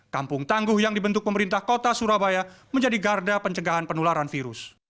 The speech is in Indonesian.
kampung tangguh yang dibentuk pemerintah kota surabaya menjadi garda pencegahan penularan virus